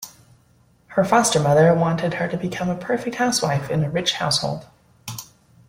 Her foster mother wanted her to become a perfect housewife in a rich household.